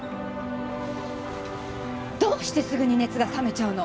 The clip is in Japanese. どうしてすぐに熱が冷めちゃうの？